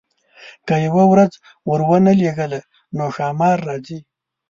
که یې یوه ورځ ورونه لېږله نو ښامار راځي.